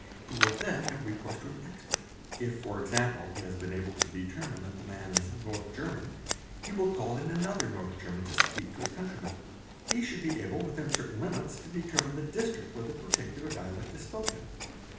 He will then have recourse to an expert ; if, for example, he has been able to determine that the man is a North : j German, he will call in another North German to speak to his country ' man; he should be able within certain limits to determine the district _ where the particular dialect is spoken.